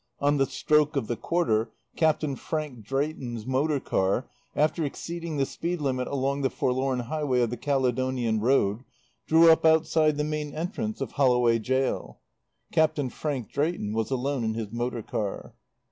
On the stroke of the quarter Captain Frank Drayton's motor car, after exceeding the speed limit along the forlorn highway of the Caledonian Road, drew up outside the main entrance of Holloway Gaol. Captain Frank Drayton was alone in his motor car.